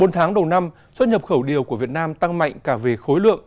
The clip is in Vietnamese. bốn tháng đầu năm xuất nhập khẩu điều của việt nam tăng mạnh cả về khối lượng